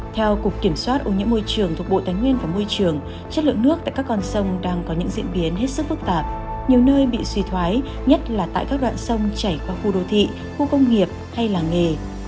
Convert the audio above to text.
theo cục kiểm soát ô nhiễm môi trường thuộc bộ tánh nguyên và môi trường chất lượng nước tại các con sông đang có những diễn biến hết sức phức tạp nhiều nơi bị suy thoái nhất là tại các đoạn sông chảy qua khu đô thị khu công nghiệp hay làng nghề